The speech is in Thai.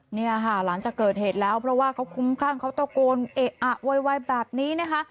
เนี่ยค่ะหลังจากเกิดเหตุแล้วเพราะว่าเขาคุ้มคลั่งเขาตะโกนเอะอะโวยวายแบบนี้นะคะ